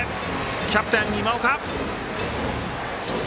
キャプテン、今岡。